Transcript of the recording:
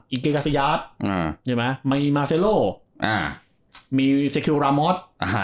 อิเกลาซียาสมีมาเซโลวมีเซคิวระมท